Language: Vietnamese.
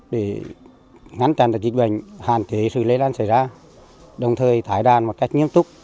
để ngắn tàn tật dịch bệnh hạn kế sự lây lan xảy ra đồng thời thái đàn một cách nghiêm túc